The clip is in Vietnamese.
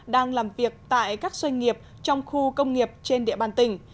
đang làm việc tại các doanh nghiệp trong khu công nghiệp trên địa bàn tỉnh